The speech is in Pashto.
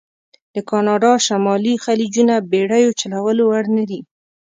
د کانادا شمالي خلیجونه بېړیو چلولو وړ نه دي.